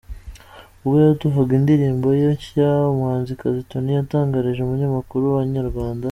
Ubwo yaduhaga indirimbo ye nshya, umuhanzikazi Tonny yatangarije umunyamakuru wa Inyarwanda.